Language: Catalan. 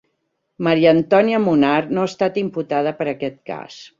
Maria Antònia Munar no ha estat imputada per aquest cas.